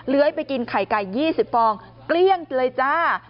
ไปกินไข่ไก่๒๐ฟองเกลี้ยงเลยจ้า